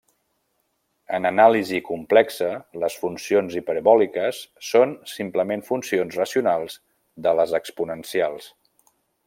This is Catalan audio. En anàlisi complexa, les funcions hiperbòliques són simplement funcions racionals de les exponencials.